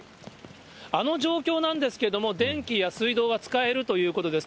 あの状況なんですけれども、電気や水道は使えるということです。